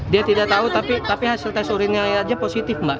dia tidak tahu tapi hasil tes urinnya aja positif mbak